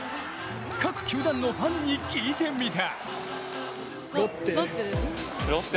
各球団のファンに聞いてみた。